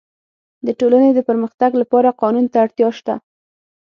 د ټولني د پرمختګ لپاره قانون ته اړتیا سته.